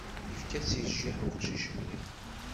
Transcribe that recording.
Yefka-tt i jjiḥ weqcic-nni.